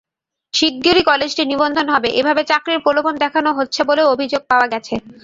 শিগগিরই কলেজটি নিবন্ধন হবে—এভাবে চাকরির প্রলোভন দেখানো হচ্ছে বলেও অভিযোগ পাওয়া গেছে।